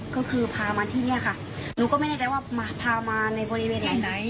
ก็คือพามาที่นี่ค่ะหนูก็ไม่แน่ใจว่ามาพามาในบริเวณแห่งไหน